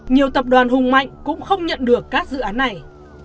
nhiều tập đoàn hùng mạnh cũng không nhận được các dự án này